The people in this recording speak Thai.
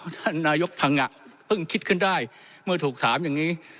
ท่านนายกพังงะเพิ่งคิดขึ้นได้เมื่อถูกถามอย่างนี้